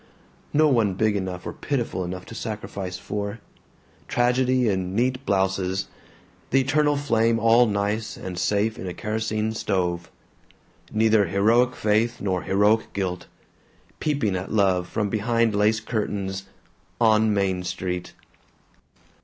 "No one big enough or pitiful enough to sacrifice for. Tragedy in neat blouses; the eternal flame all nice and safe in a kerosene stove. Neither heroic faith nor heroic guilt. Peeping at love from behind lace curtains on Main Street!"